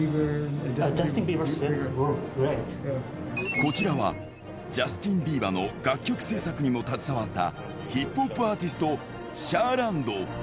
こちらはジャスティン・ビーバーの楽曲制作にも携わった、ヒップホップアーティスト、シャーランド。